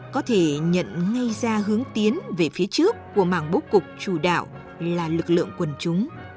có thể nhận ngay ra hướng tiến về phía trước của mảng bố cục chủ đạo là lực lượng quần chúng